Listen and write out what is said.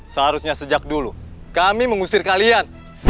seharusnya sejak dulu kami mengusir kalian